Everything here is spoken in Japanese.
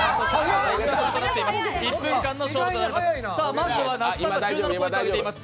まずは那須さんが１７ポイントあげています。